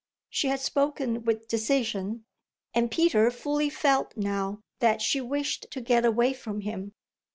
She had spoken with decision, and Peter fully felt now that she wished to get away from him.